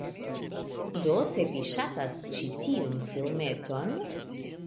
Do, se vi ŝatis ĉi tiun filmeton..